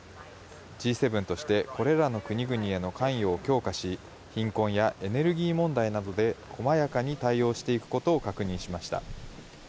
Ｇ７としてこれらの国々への関与を強化し、貧困やエネルギー問題などで細やかに対応していくことを確認しました。